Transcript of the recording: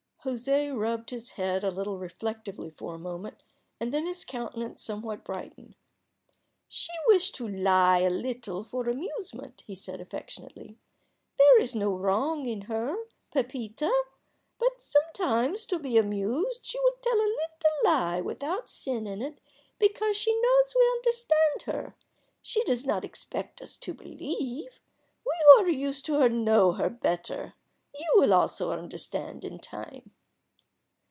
José rubbed his head a little reflectively for a moment, and then his countenance somewhat brightened. "She wished to lie a little for amusement," he said, affectionately. "There is no wrong in her Pepita but sometimes, to be amused, she will tell a little lie without sin in it, because she knows we understand her. She does not expect us to believe. We who are used to her know her better. You will also understand in time."